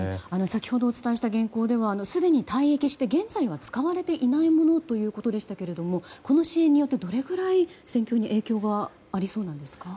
先ほどお伝えした原稿ではすでに退役して現在は使われていないものということでしたがこの支援によってどれくらい戦況に影響がありそうですか？